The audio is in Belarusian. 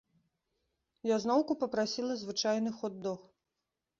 Я зноўку папрасіла звычайны хот-дог.